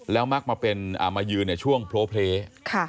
แล้วมากมันเป็นอ่ามายืนในช่วงโพลเพค่ะ